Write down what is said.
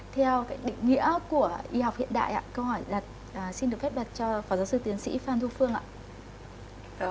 theo cái định nghĩa của y học hiện đại ạ câu hỏi là xin được phép đặt cho phó giáo sư tiến sĩ phan thu phương ạ